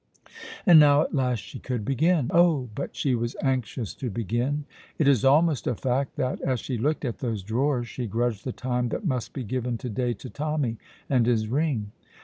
And now at last she could begin! Oh, but she was anxious to begin; it is almost a fact that, as she looked at those drawers, she grudged the time that must be given to day to Tommy and his ring.